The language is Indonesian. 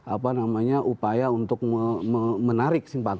apa namanya upaya untuk menarik simpati